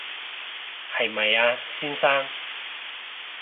係咪啊，先生